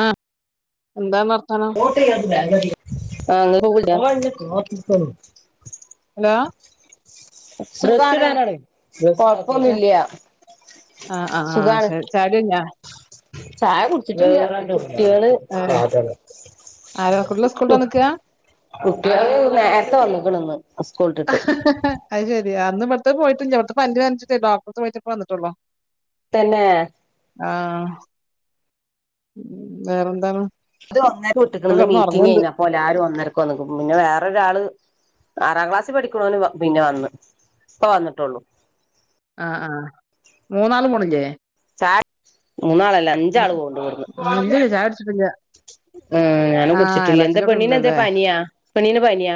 ആ എന്താന്നാ ആ [unintelligible] ഹലോ? സുഖആണ? കൊഴപ്പൊന്നുംല്ല ആഹ് ആഹ് സുഖാണ്. ശരി ചായ കുടി കഴിഞ്ഞോ ചായ കുടിച്ചിട്ടില്ല കുട്ടിയോള് ഏഹ് ആരാ കുട്ടികള് കു സ്കൂളിട്ട് വന്നിക്കാ കുട്ടിയോള് നേരത്തെവന്ന്. ഹ ഹ ആ ശരി അ അന്ന് ഇവിടുത്ത പോയിട്ടില്ല ഇവിടുത്തെ പല്ല് വേദനിച്ചിട്ട് ഡോക്ടർ അടുത്ത പോയിട്ട്പ്പ വന്നിട്ടുള്ളോ. തന്നെ. ആഹ വേറെന്താണ്? ഇത് ഒന്നരക്ക് ഇപ്പൊ വിട്ടിക്കണന്ന് കിടന്ന് മീറ്റിംഗ ഉറങ്ങുന്നുണ്ട് കഴിഞ്ഞ് അപ്പോ എല്ലരുംന്നരക്കന്ന പിന്നെ വേറൊരാള് ആറാം ക്ലാസ് പഠിക്കണന് പിന്നെ വന്ന് ഇപ്പ വന്നിട്ടുള്ളു. ആ ആഹ് മൂന്നാള് പോന്നില്ലേ? [unintelligible] മൂന്നാള അല്ല അഞ്ചാള് പോണുണ്ട് ആഹ് ഇവിടുന്ന്. ഇല്ലില്ല ചായ കുടിച്ചിട്ടില്ല ഉം ഞാനും ആഹ് കുടിച്ചിട്ടില്ലേ എന്താ എളാച്ചന്റെ പെണ്ണീന് എന്താ കുട്ടിണ്ടല്ലേ പനിയാ പെണ്ണീന് പനിയാ?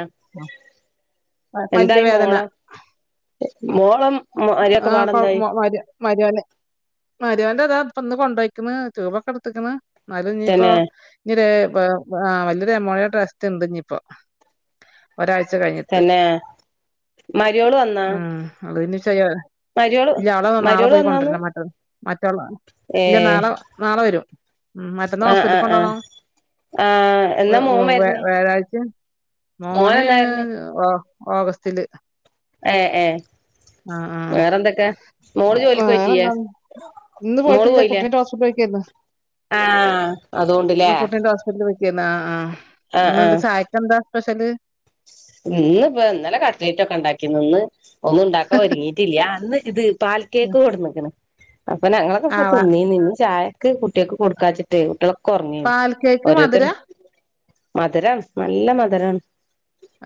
പല്ല് എന്തായി വേദന മോള മോൾ ആ കൊ മ മരിയാന്റെ മരിയാന്റെതാ ഇപ്പൊ ഇന്ന് കൊണ്ടോയ്ക്കുന്ന ടൂബൊക്കെ എടുത്തുക്കണേഎന്നാലും ഇനിയിപ്പോ തന്നെ ഇ ഇ വല്യൊരു എമൗണ്ട ആയിട്ട് ടെസ്റ്റ്‌ ഉണ്ട് ഇനി ഇപ്പോ ഒരാഴ്ച കഴിഞ്ഞിട്ട് തന്നെ മര്യോള് വന്നാ ഉ അത് പിന്നേ മര്യോള് ഇല്ല അവള നാളെ മര്യോള് പോയി വന്നാന്ന് കൊണ്ടുവരുന്ന മറ്റ മറ്റോള ഏ ഇല്ല നാളെ നാളെ വരും മറ്റന്ന് ആഹ് ഹോസ്പിറ്റല ആഹ് കൊണ്ടോണോ? ആഹ് ആഹ് എന്നാ മോൻ വ വര്ണ് വ്യാഴാഴ്ച മോൻ മോന് എന്നാ വര്ണ് ഓ ഓഗസ്റ്റില്. ഏ ഏ ആ വേറെന്തൊക്കെ മോള് ആ ജോലിക്ക് പോയിറ്റിയേ വേറെന്താ ഇന്ന് മോള് പോയിട്ടില്ല പോയില്ലേ? കുട്ടീന്റെ ഹോസ്പിറ്റലിൽ പോയിക്കായിരുന്നു ആഹ അതുകൊണ്ടല്ലേ. [unintelligible] ആഹ ഇന്ന് എന്താ ചായക്ക എന്താ സ്പെഷ്യല്? ഇന്ന് ഇപ്പൊ ഇന്നലെ കട്ലേറ്റ് ഉണ്ടാക്കിന്ന് ഇന്ന് ഒന്നും ഉണ്ടാക്കാൻ ഒരുങ്ങിട്ടില്ല അന്ന് ഇത് പാൽ കേക്ക് കൊടുനിക്കണ്. അപ്പൊ ഞങ്ങളൊക്ക ആ ഇപ്പ തിന്നിരുന്ന ചായക്ക് കുട്ടിയൊക്കെ കൊടുക്കാച്ചിട്ട് കുട്ടിയോള്ള് കുറെഞ്ഞിനി പാൽ കേക്ക് മധുര ഓരോരുത്തർ മധുരം നല്ല മധുരമാണ്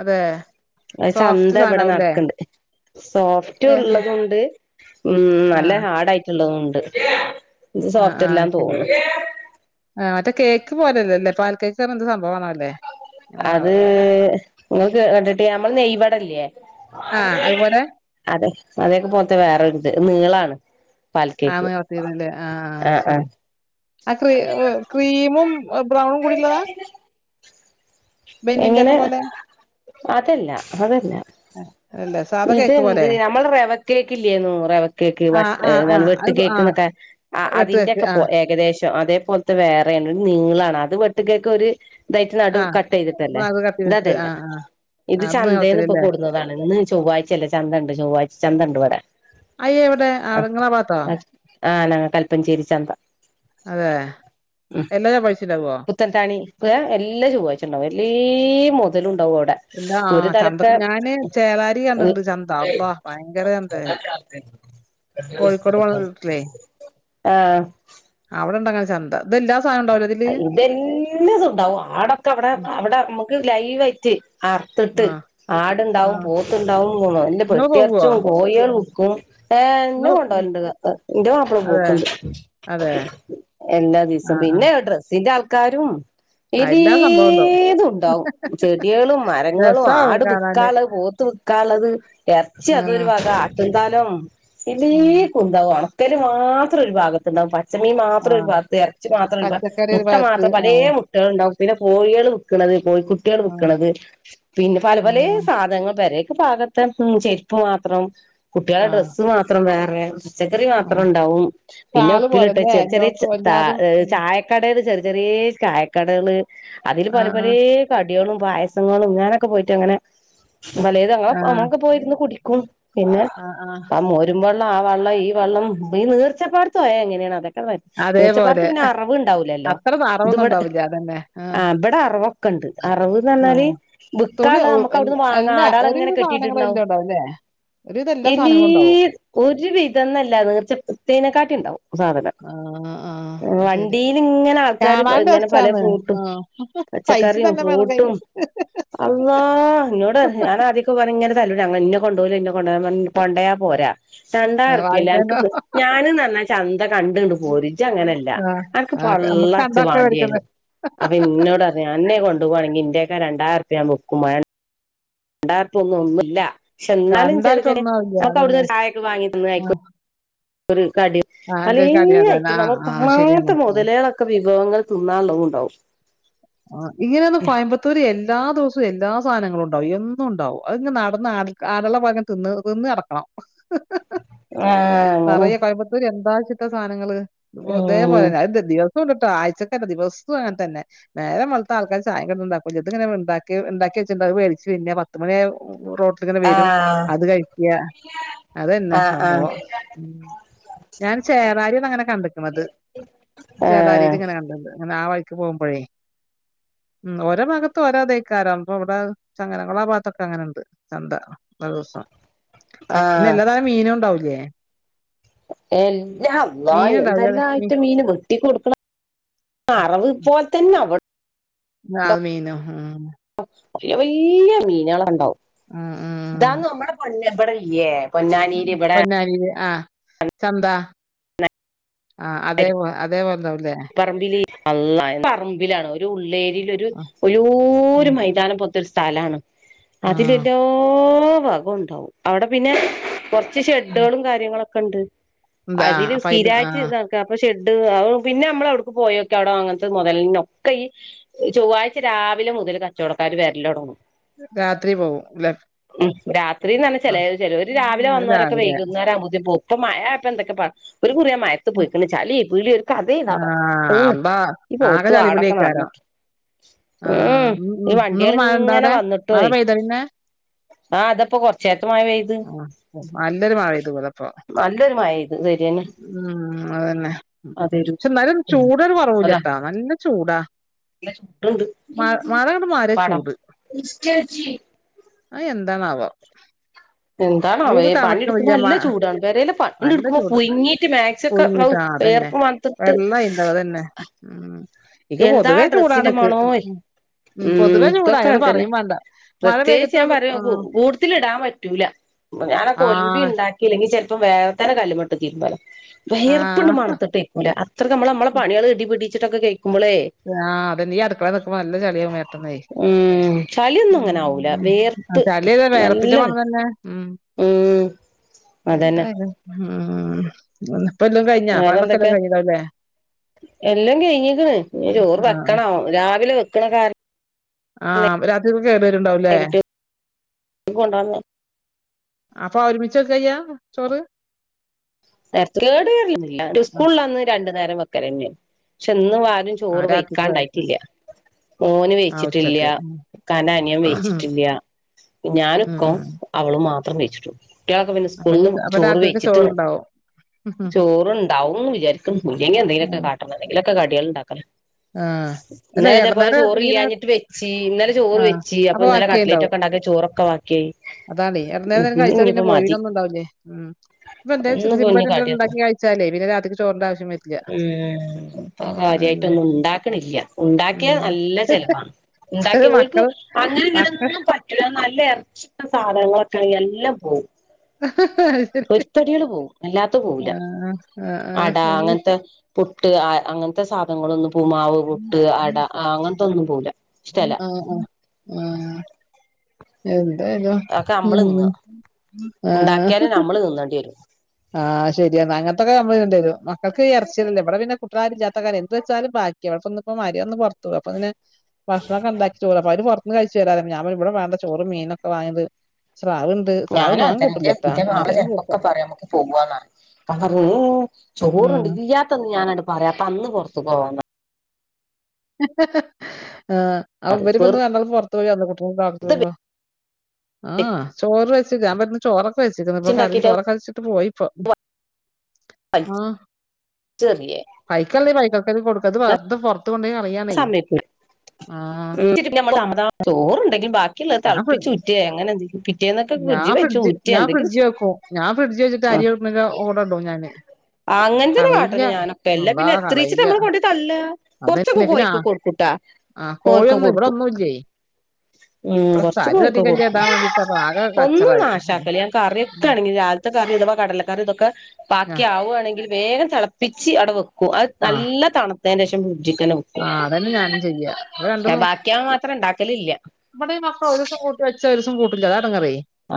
അതെ അ സോഫ്റ്റ് ചന്ത ഇവിടെ സാധനാവുല്ലേ നടക്കണ്ട്. സോഫ്റ്റ് ഏ ഉള്ളതുണ്ട് ഉം ആ നല്ല ഹാർഡ ആയിട്ടുള്ളതൊണ്ട്,. ഇത് ആ ആ സോഫ്റ്റ്ല്ലാം ശരി തോന്നണ. ഇത് പോലല്ലേ പാൽ കേക്ക് എന്ത് സംഭവമാണ്. അത് നിങ്ങൾ കണ്ടിട്ട് നമ്മള് നെയ് വടഇല ആ അതുപോലെ അതെ അതൊക്കെ പോലത്തെ വേറൊരിത് നീളാണ് പാൽ കേക്ക് ആമ്മ കൊർത്തിരല്ലേ ആഹ ആ ആഹ് ആഹ് ശരി ആ ക്ര ക്രീമും ബ്രൗണും കൂടിള്ളതാ എങ്ങനെ അതല്ല അതല്ല അല്ല സാധാ കേക്ക് പോലെ? ഇതെന്ത് നമ്മെള റെവക്കേക്കില്ലേനൊ റെവക്കേക്ക് ആഹ് ആഹ് ആഹ് [unintelligible] അത് ആഹ് കേക്കുന്നൊക്കെ വെട്ട് കേക്ക് അതിന്റൊക്കെ പോ ആഹ് ഏകദേ ശം അതേപലത്തെ വേറാണ് ഒര് നീളാണ് അത് വെട്ട് കേക്ക ഒരു ഇതായിട്ട് നടു ആഹ് കട്ടെയ്തിട്ട ല്ലേ അത് കത്തിയിലിട്ട് ഇതതെല്ല ആഹ് ആഹ് ഇത് ആഹ് അത് ചന്തേന്ന് ഇപ്പൊ നീളത്തിലല്ലേ? കൊണ്ടുവന്നാണ് ഇന്ന് ചൊവ്വാഴ്ചല്ല ചന്തണ്ട് ചൊവ്വാഴ്ച ചന്തണ്ട് വടെ അയ്യേ എവിടെ ആ അവിടെ ഇങ്ങളെ ഭാഗത്തോ? ആ ആണാ കൽപ്പഞ്ചേരി ചന്ത അതെ ഉം എല്ലാ ചൊവ്വാഴ്ചണ്ടാവോ പുത്തൻതാണി എല്ലാ ചൊ്ഴ്ച്ചണ്ടാവും എല്ലേ മുതലു ണ്ടാവു അവടെ എല്ലാ ഒരു ആഹ് ചന്ത തലത്തെ ഞാന് ചേളാരി കണ്ടിട്ടുണ്ട് ചന്ത അള്ളാഹ് ഭയങ്കര ചന്തേ കോഴിക്കോട് പോണ റൂട്ടിലേ ആ ചന്ദാ ഇതെല്ലാ സാധനവും ഉണ്ടാവൂലേ ഇതില്? ഇതല്ലാസീംണ്ടാവും ആടൊക്കെ അവിടെ അവിടെ മ്മക്ക് ലൈവായിട്ട് അറത്തിട്ട് ആഹ് ആടുണ്ടാവും ആഹ് പോത്തുണ്ടാവും നല്ല ഇങ്ങള് പോവോ? പൊട്ടിറച്ചും കോയേളും ഏ ഇന്നെ ഇങ്ങള് കൊണ്ടോവല്ണ്ട് കാക്ക ന്റെ മാപ്പള അതെ പോക്കുണ്ട് അതെ എല്ലാ ദിവസവും ആഹ് ആഹ് പിന്നെ ഡ്രസ്സിന്റെ ആൾക്കാരും ആഹ് എല്ലാ സംഭവം ഉണ്ടാവും. എല്ലീതുണ്ടാവും ചെടികളും മരങ്ങളും രസാവും ആട് കാണാന് വിക്കാള് പോത്ത് വി ക്കാള്ളത് എർച്ചി അതൊരു ആഹ് വക ആട്ട്ങ്കാലും എല്ലാ ഉം കുന്താനം ഒണക്കല് മാത്രം ഒരു ഭാഗത്തുണ്ടാവും പച്ചമീൻ മാത്രം ഒരു ആഹ് ഭാഗത്ത് ഇറച്ചി മാത്രം ഒരുഭാഗം പച്ചക്കറി ഒരു മുട്ട ഭാഗത്ത് മാത്രം പലേ ആഹ് മുട്ടേളുണ്ടാവു പിന്നെ കോഴയേള് വിക്ക്ണത് കോഴിക്കുട്ടയേള് ആഹ് വിക്കണത് പിന്നെ പല പലേ ആഹ് സാധങ്ങൾ പെരേക്ക് ഇക്ക് പാഗൊത്ത ചെരുപ്പ് മാത്രം കുട്ട്യേളെ ആഹ് ഡ്രസ്സ് മാത്രം വേറെ പച്ചക്കറി ആഹ് മാത്രണ്ടാവും പിന്നെ ഷാള് പോലല്ലേ ഉപ്പിലിട്ടച്ചത് ചെറിയ എല്ലോടത്തും എല്ലാതും ചെറ ഉം ചായ കടേല് ചെറി ചെറിയേ കായക്കടകള് അതില് പല ആഹ് പലേ ക ട്യേളും പായസങ്ങളും ഇങ്ങനൊക്കെ പോയിട്ട് അങ്ങനെ വലേത് അങ്ങള ആഹ് അമ്മളൊക്കെ പോയിരുന്നു കുടിക്കും പിന്നെ ആഹ് ആഹ് അ മോരുമ്പെള്ള ആ വെള്ളം ഈ വെള്ളം ഈ നീർച്ചപ്പാടത്ത് പോയ എങ്ങനെയാണ് അതൊക്കെ നേർച്ചപ്പാടത്ത് അതേപോലെ പിന്നെ അറവ് ണ്ടാവുലല്ലൊ അത്ര നിറവൊന്നും ഇതിവടെ ഉണ്ടാവില്ല അതന്നെ ആ ആഹ് ബടെ അറവൊക്കെണ്ട് അറവ്ന്നറഞ്ഞാല് ആഹ് തുണി ക്കാള്ളെ ഒ നമുക്ക് അവിടുന്ന് എല്ലാ വാങ്ങ എല്ലാ ആടാളെങ്ങനെ ഒരുവിധം സാധനങ്ങളും കെട്ടിട്ട്ണ്ടാവും എല്ലാം ഉണ്ടാവുംല്ലേ ഒരുവിധം എല്ലാ എലീ സാധനങ്ങളും ഉണ്ടാവും ഒരു വിധംന്നല്ല നീർച്ചക്കിട്ടയേനെക്കാട്ടുംണ്ടാവും സാധനം ആഹ് ആഹ് അത് വണ്ടി ശരി ഇനിങ്ങനെ ആൾക്കാര് കാണാൻ ഇങ്ങനെ പലേ രസാണ് ഫ്രൂട്ടും ആഹ് പൈസ പച്ചക്കറിം തന്നെ വേണം ഫ്രൂട്ടും കയ്യില് അള്ളാ ഇന്നോടര്ഞ്ഞ് ഞാൻ ആദ്യിക്ക പോന ഇങ്ങനെ തല്ല [unintelligible] ഇന്നെ കൊണ്ടോവൂല ഇന്നെ കൊണ്ട് പോ കൊണ്ടയാ പോരാ രണ്ടായ്റപ്യല്ലെ അന്ക്ക് വാങ്ങിക്കാനോ ഡ്രസ്സ്‌ ഞാന് ന്ന് പറഞ്ഞാ ചന്ത കണ്ടണ്ട് പോര് ജി അങ്ങനെല്ല ആഹ് ആഹ് നമുക്ക് പള്ളർച്ചു കണ്ടാ ഒക്കെ വാണ്ടിയെരു മേടിക്കല്ലോ അപ്പൊ ഇന്നോടറ്ഞ്ഞ് അന്നെ കൊണ്ടോവാണെങ്കി ഇന്റെയൊക്കെ രണ്ടായർപ്യ മുക്കും രണ്ടായിർപൊന്നുന്നുല്ല ക്ഷെ ന്നാലും കണ്ടാ ചെറി ഇപ്പൊ ചെറയെ ഒന്നും ആവില്ല [unintelligible] അവിടുന്ന് അതന്നെ ചായൊക്കെ വാങ്ങി [unintelligible] [unintelligible] കടി ആഹ് എന്റെ പലേ കടിയതന്നെ ഐറ്റം ആഹ് നമ്മൾ ആഹ് ശരിയാണ്. കാണാത്ത ആഹ് മുതലളൊക്കെ വിഭവങ്ങൾ തിന്നാനുള്ളതും ഉണ്ടാവും ആ ഇങ്ങനൊന്ന് കോയമ്പത്തൂര് എല്ലാ ദിവസവും എല്ലാ സാധനങ്ങളും ഉണ്ടാ വും എന്നുണ്ടാവും അത്ങ്ങ് നടന്ന് ആ ആരുള്ള ഭാഗം തിന്ന് തിന്ന് നടക്കണം ആഹ് അങ്ങനെ പറയ കോയമ്പത്തൂര് എന്താ ച്ചിട്ട സാനങ്ങള് ഇത്പ്പൊ ഉം ഇതേപോലെന്നെ ദിവസുണ്ട്ട്ടാ ആഴ്ചക്കല്ല ദിവസവും അങ്ങനെ തന്നെ നേരം വെളുത്ത ആൾക്കാര് ചായം കനണ്ടാക്കുലേ ത്ങ്ങനെ ഉണ്ടാക്കി ഉണ്ടാക്കി വച്ചിണ്ട് അത് വേവിച്ച് പിന്നെ പത്ത് മണിയായ റോട്ട്ങ്ങനെ വരും ആഹ് അത് കഴിക്ക അതെന്നെ ആഹ് ആഹ് സംഭവം ഉം ഞാൻ ചേറാരിയൊന്നങ്ങനെ കണ്ട്ക്കണത്. ആഹ് ചേറാരിലിങ്ങനെ കണ്ടണ്ട്. അങ്ങനെ ആ വഴി. പോവുമ്പഴേ. ഉം ഓരോ ഭാഗത്ത് ഒരോ തൈക്കാരാണ്. ഇപ്പൊ ഇവിടെ ചങ്ങനങ്ങളാ ഭാഗത്തൊക്കെ അങ്ങനെയുണ്ട്. ചന്ത [unintelligible] ഇന്ന ആഹ് എല്ലാതരം മീന ഉണ്ടാവലേ. എല്ലാം അള്ളാ ഉണ്ടാവൂലേ എന്തെല്ലാം മീ ആയിട്ടും മീന് വെട്ടി കൊടുക്കണം. ആ അറിവ് പോലെ തന്നെ. അവിടെ [unintelligible] മീനോ മം. വല്യ വല്യ മീനുകളുണ്ടാവും. ഉം ഇതാ നമ്മ്‌ടെ മഞ്ഞ പാടയില്ലേ. പൊന്നാലിയില ആഹ ചന്ത ആഹ് അതെ അതേ വന്ത പറമ്പില്. അള്ളാ പറമ്പിലാണ് ഒരു ഉള്ളേ ഒരു ആ ആ ഓരോ മൈതാനം പോലത്തെ ഒരു സ്ഥലമാണ്. ആ അതില എല്ലോ ഇ വാകം ഉണ്ടാവും. അവിടെ പിന്നെ കൊറച്ച് ഉം ഷെഡുകളും കാര്യങ്ങളൊക്കെ ഉണ്ട്. എന്താ അതില് അപ്പ അയില് ആ സ്ഥിരമായിട്ട് നടക്ക. അപ്പൊ ഷെഡ് അ പിന്നെ നമ്മള അവിടുക്ക് പോയൊക്കെ, അവിടോ അങ്ങനത്തെ മുതല ഒക്കെ ഈ ചൊവ്വാഴ്ച രാവിലെ മുതൽ കച്ചവടക്ക ര് വരലൊടങ്ങും. രാത്രി പോവും. ഇല്ലേ. രാത്രിന്ന് തന്നെ ചില ചില ഒരുര് രാവിലെ വന്നോരൊക്കെ രാവിലെ വൈകുന്നേരാ ആമ്പതി പോവും. ഇപ്പൊ മഴ ഇപ്പൊ എന്തൊക്കെ പറ ഒരു കുറിയ മയത്ത് പോയിക്കണ്. ചളി പിളി ഇ കഥയി ആ നട. ഉ അള്ളാ ഈ ആകെ പോത്തുവാടൊക്കെ നടന്ന ചളിപിളിയേക്കാരം ആ ഉം ഈ ഉം ഇന്നിപ്പോ മഴ ഇണ്ടോ വണ്ടികളിങ്ങനെ അവിടെ മഴ വന്നിട്ടോയി പെയ്തോ പിന്നെ ആഹ അതപ്പോ കൊറച്ചേത്ത മഴ പെയ്ത്. ആ നല്ലൊരു മഴ പെയ്തു ഇവടെപ്പോ നല്ലൊരു മഴയ്ത്. ഉം. അതന്നെ അതൊരു പക്ഷെ ന്നാലും ചൂടൊരു കുറവൂ ഇല്ലട്ടാ. നല്ല ചൂടാ ട്ടണ്ട് മഴ മഴ അങ്ങട് മാറിയ പടം ആഹ എന്താണാവോ. എന്താണാവോ ഭൂമി ഈ പണിടുക്കുമ്പോൾ തണുക്കണില്ല മ നല്ല ചൂടാണ്. പെരേല് പണി നല്ല എടുക്കുമ്പോ ചൂട് പുങ്ങിട്ട് മാക്സ ഒക്കെ ഹൌ പുഴുങ്ങിട്ടാ അതന്നെ ചേർപ്പ വത്തിട്ട് വെള്ളായിണ്ടാവും അതന്നെ ഉം ഇക്ക് എന്താ പൊതുവേ ഡ്രസ്സിന്റെ ചൂടാണ്ക്ക് മണോ ഉം പൊതുവേ ചൂടാ ഇങ്ങട് ഇപ്പൊക്കതന്നെ. പറയും വേണ്ട മഴ പ്രത്യേകിച്ച് പെയ്തിട്ട് ഞാൻ പറയാ ആഹ് കൂടുതൽ ഇടാൻ പറ്റൂല. ഞാൻ അപ്പ ഒലമ്പി ആഹ് ഉണ്ടാക്കിലി ചിലപ്പ വേഗാതന്നെ കല്ലുമുട്ട [unintelligible] വിയർപ്പുണ്ട് ആഹ് മണത്തിട്ട് ഏക്കുല. അത്ര നമ്മൾ നമ്മള പണികള് ഇടി പിടിച്ചിട്ടൊക്കെ കഴിക്കുമ്പോളേ ആഹ് അതന്നെ ഈ അടുക്കളെല് നികുമ്പ നല്ല ചെളിയാ മേത്ത്ന്നെ. ഉം ചളിയൊന്നും അങ്ങനെ ആവൂല വേർത്ത് ചളിയല്ല നല്ല വേർപിന്റെ മണം തന്നെ. ഉ ഉം അതന്നെ എന്തായും ആ. വേറെ എന്തൊക്കെ. എല്ലാം കഴിഞ്ഞിക്ക്ണ്. ഇനി ചോറ് വെക്കണം. രാവിലെ വെക്കണ കാരണം ആഹ രാത്രിക്ക് കേടു വരുണ്ടാവല്ലേ. ഇ കൊണ്ടന്നെ അപ്പൊ ഒരുമിച്ചൊക്കില്ല ചോറ്. നേര കേട് വരില്ല. ആഹ് സ്കൂളിലാന്ന് രണ്ടു നേരം വെക്കലെന്ന. പക്ഷെ ഇന്ന് [unintelligible] ആഹ് ചോറ് രാത്രിക്ക് വയ്ക്കാണ്ടായിട്ടില്ല. ഓന് ആഹ് വെയ്ച്ചിട്ടില്ല, ഉച്ചക്ക് ഉം ക്കാ നനിയൻ വെയ്ച്ചിട്ടില്ല. ഉം ഞാനിക്കോം ഉം അവള് മാത്രം കയ്ച്ചിട്ടുള്ളു. കുട്ടികളൊക്കെ പിന്നെ അപ്പൊ ഇനി സ്കൂളന്ന് അപ്പൊ ചോറ് രാത്രിക്ക് വയ്ച്ചീട്ട് ചോറുണ്ടാവും ചോറണ്ടാവുംന്ന് വിചാരിക്കുന്നു. ഇല്ലെങ്കി എന്തെങ്കിലുമൊക്കെ കാട്ടണം. എന്തെങ്കിലുമൊക്കെ കടികൾ ഉണ്ടാക്കലോ. ആഹ. ഇന്നല അതേപോലെ ചോറ ഇല്ലാഞ്ഞിട്ട് വെച്ച്. ഇന്നലെ ചോറ് ആഹ് വെച്ച്. അപ്പൊ ഇന്നലെ കട്ലറ്ററ്റ് ബാക്കിയായിണ്ടാവും ഒക്കെ ഉണ്ടാക്കി ചോറൊക്കെ ബാക്കി. അതാണേ എട നേരം കഴിച്ചാ പിന്നെ മതി പോയിവിനന്നുംണ്ടാവില്ല. ഉം ഇപ്പ എന്ത ഇന്ന് പൊഞ്ഞ് സിമ്പിളായിട്ടു എന്തെങ്കിലും കടിയൊക്കും ഉണ്ടാക്കി കഴിച്ചാലേ, പിന്നെ രാത്രിക് ചോറന്റെ ആവശ്യം വരില്ല്യാ. ഉം ഇപ്പൊ അതന്നെ കാര്യമായിട്ടൊന്നും ഉണ്ടാക്കണില്ല. ഉണ്ടാക്കിയ ഉം നല്ല ചിലവാ. ചെല ഉണ്ടാക്കിയ പോലക്ക് മക്കള് അങ്ങനെ മക്കള് ഇങ്ങനും പറ്റ നല്ല [unintelligible] സാധനങ്ങളൊക്കെ എല്ലാം പോവും. അത് ശരി പരിപ്പടികള് പോകും. അല്ലാത്ത പോവില്ല. ആഹ് ആഹ് അട ആഹ് അങ്ങനത്തെ ട്ട് അങ്ങനത്തെ സാധനങ്ങളൊന്നും പൂമാവ് പട്ട് അട അങ്ങനത്തെൊന്നും പോില്ല ആ ആ ആ അ എതായാലോ അതൊക്കെ നമ്മള് തിന്ന ആ ഉണ്ടാക്കിയാലും നമ്മള് തിന്നേണ്ടി വരും ആ ശരിയാ അങ്ങനത്തെക്കെമ്മണ്ട മക്കൾക്ക് ഇറച്ചില്ലേ ഇവിടെ പിന്നെ കുട്ടാരും എന്ത വെച്ചാല് ബാക്കി അ ഇപ്പോ മയാൊന്ന് പുറത്ത പോ അങ്ങനെ ഭക്ഷണ ഉണ്ടാക്കി അ അവര് പുറന്ന് കഴിച്ചു ഞാ ഇവിടെ വേണ്ട ചോറ മീനൊ വാങ്ങിയത് ശ്രാവുണ്ട് ശ്രാവ് ഞാനും ഞാൻ കൂട്ടില്ല ചെട്ടാ മജോനും കൂട്ടും പോ പറഞ്ഞ ഉം ചോറണ്ടല്ലാത്ത ഞാനായിട്ട പറയാ തന്ന് പുറത്തു പോവാന്ന ഹ് ഹ്‌ ഹം [unintelligible] ആ അ പറിം ഇവരിമ്പ എ വെറുതെ കണ്ടാ പുറത്തു പോയി അല്ല കുട്ടിക കത്ത് പോമമ്പോ ആ ചോറ് ഞാൻ പറഞ്ഞ ചോറോക്കെ വച്ചിക്കിന് ഇപ്പൊ കാര്യം വെച്ചുണ്ടാക്കിട്ട് ചോറക്ക വെച്ചിട്ട് പോയിപ്പ ആ വലിച്ചെറിയേ പൈക്കല്ലേ പൈക്കൊക്കെ കൊടുക്കത്ത് ഞാൻ പുറത്ത ഇത്ത കൊണ്ടേ അറിയാനേ നമ്മ ചോറുണ്ടെങ്കിലും ബാക്കിയുള്ളള്ളത് ഞാൻ തിളപ്പിച്ച്റ്റയ അങ്ങനെ എന്തെങ്കിലും പിറ്റേ എന്നൊക്കെ ഫ്ര്ഞാൻ ഫ്രഡ്ജ് വെക്ക ഞാൻ ഫ്രഡ്ജ് വച്ചിട്ട് അരിക്ക ഓർ ഇടും ഞാന് ആ അങ്ങനത്തെന്നെ കളയില്ല കാട്ടെ ഞാനൊക്കെ അല്ല അള്ളാ പിന്നെ എത്രീച്ചി കളയില്ല നമ്മള് കൊണ്ട തള്ള കൊറച്ചൊക്കെ അതന്നെ പിന്നെ ആ കോഴക്ക് കൊടുക്കൂട്ടാ ആ കോഴിയ കോഴിക്ക് ഒന്നും ഇവിടെ കൊടുക്കും ഒന്നല്ലേ ഉം കൊറച്ച് കോഴിക്കോ കൊടുക്കും വേണ്ടിട്ട് അപ്പൊ ആകെ ഒന്നും കച്ചറായി നാശക്കല്ല ഞൻ കറിയൊക്കെ ഉം. ആണെങ്കിൽ അ കാര ഇവാ കടല്ലാരണം ഇതക്കെ ആ ബാക്കി ആവുവാണെങ്കിൽ വേഗം തിളപ്പിച്ച് അവിടെ വെക്കും അത് ആ നല്ല തണുത്തതിന് ശേഷം ഫ്രിഡ്ജിക്കന്നെ ആ വെക്കും അതന്നെ ഞാനും ചെയ്യാം ബാക്കിയാൻ മാത്രം ഉണ്ടാക്കലില്ല ഇമ്മടെ ഈ മക്ക ഒരുസം കൂട്ടും ച്ച ഒരുസം കൂട്ടി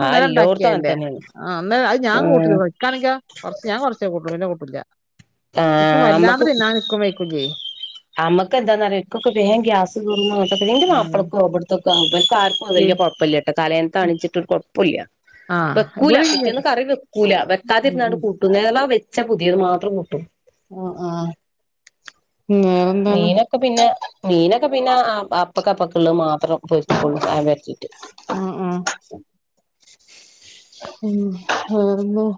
ആ എല്ലോടത്തും അങ്ങനെ ഉണ്ടാക്കിയല്ലേ തന്നെയാണ് ആ അത് ഞാ കൂട്ടാണ കുറച്ച് ഞാൻ കുറച്ച കൂട്ട കൂട്ടില്ല ആ ഇിക്കും അമ്മക്ക് വല്ലാതെ ഞാൻ ഇിക്കുംക്കും ചെയേ അമ്മക്ക് എന്താന്ന പറക്കൊക്കെ വോ ഗ്യാസ്ട്ടെ ഉം. നപ്പടുക്ക അടുത്തക്ക കാർക്കും അ വലിയ പി- കൊഴപ്പമില്ലട്ടെ തലേനത്ത് അണിച്ചിട്ട് ഒരു കുഴപ്പമില്ല ആ വെക്കൂല ഇവിടെ ഇല്ല പിറ്റേന്ന് കറി വെ കൂല ഉം, വെക്കാതിരുന്നാണ്ട് ഉം. കൂട്ടും നോ വെച്ച പുതിയത് മാത്രം കൂട്ടും ഓ ആ വേറെന്താണ് മീനൊക്കെ പിന്നെ മീനൊക്കെ പിന്നെ അപ്പക്കപ്പക്കുള്ള മാപ്പ ത്രം പോയികൂളും അ പറ്റിട്ട് ആഹ് ആഹ് ഉം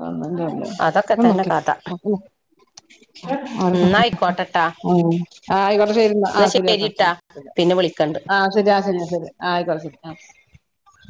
വന്ന ല്ലല്ല അതൊക്കെ തന്നെ എന്നക്കെ കഥ എന്നാ ആയിക്കോട്ടെട്ടാ ആയിക്കോട്ടെ ശരി ആ എന്നാ ശരിയാട്ടോട്ടാ ശരിട്ടാ ശ പിന്നെ വിളിക്കണ്ട് ആ ശരിയാ ശരിയാ ശരി ആ ആയിക്കോള ശരി ആ